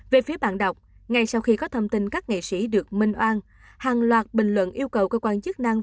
về phía bạn đọc ngay sau khi có thông tin các nghệ sĩ được minh oan hàng loạt bình luận yêu cầu cơ quan chức năng